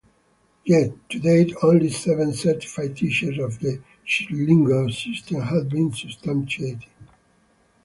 Yet, to date, only seven certified teachers of the Schillinger System have been substantiated.